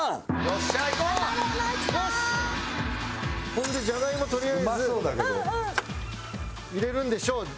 ほんでジャガイモとりあえず入れるんでしょう。